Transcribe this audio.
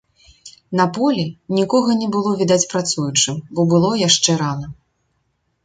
На полі нікога не было відаць працуючым, бо было яшчэ рана.